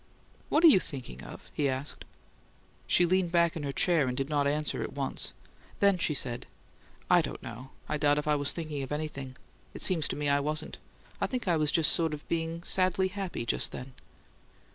"What are you thinking of?" he asked. She leaned back in her chair and did not answer at once. Then she said: "I don't know; I doubt if I was thinking of anything. It seems to me I wasn't. I think I was just being sort of sadly happy just then."